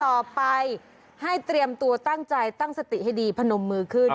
ต่อไปให้เตรียมตัวตั้งใจตั้งสติให้ดีพนมมือขึ้น